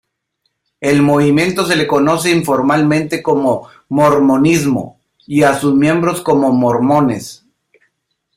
Al movimiento se le conoce informalmente como mormonismo, y a sus miembros como mormones.